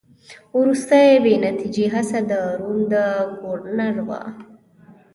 وروستۍ بې نتیجې هڅه د روم د ګورنر وه.